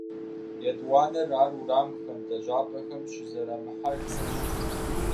Етӏуанэр ар уэрамхэм, лэжьапӏэхэм щызэрамыхьэжмэщ.